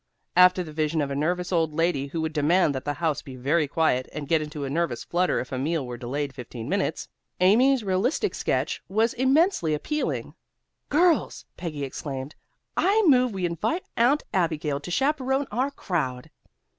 After the vision of a nervous old lady who would demand that the house be very quiet, and get into a nervous flutter if a meal were delayed fifteen minutes, Amy's realistic sketch was immensely appealing. "Girls," Peggy exclaimed, "I move we invite Aunt Abigail to chaperon our crowd!"